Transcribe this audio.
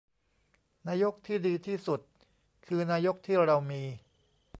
นายกที่ดีที่สุด คือนายกที่เรามี